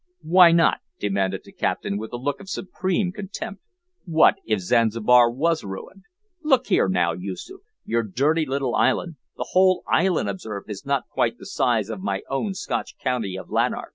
"Why not?" demanded the captain, with a look of supreme contempt, "what if Zanzibar was ruined? Look here, now, Yoosoof, your dirty little island the whole island observe is not quite the size of my own Scotch county of Lanark.